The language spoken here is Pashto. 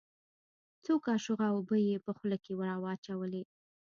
څو کاشوغه اوبه يې په خوله کښې راواچولې.